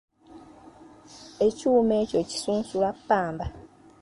Ekyuma ekyo kisunsula ppamba.